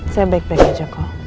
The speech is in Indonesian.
saya baik baik saja kok